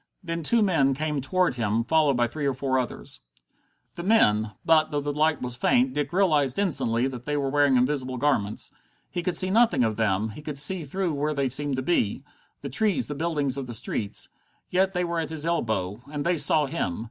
Then two men came toward him, followed by three or four others. The men but, though the light was faint, Dick realized instantly that they were wearing invisible garments. He could see nothing of them; he could see through where they seemed to be the trees, the buildings of the streets. Yet they were at his elbow. And they saw him.